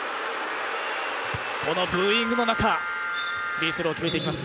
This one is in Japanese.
このブーイングの中、フリースローを決めていきます。